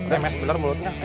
remes pilar mulutnya